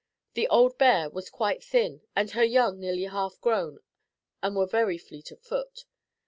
The old bear was quite thin and her young nearly half grown and were very fleet of foot.